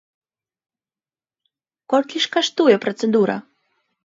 Колькі ж каштуе працэдура?